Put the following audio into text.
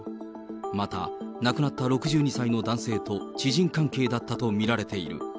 また、亡くなった６２歳の男性と知人関係だったと見られている。